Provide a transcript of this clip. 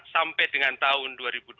sampai dengan tahun dua ribu dua puluh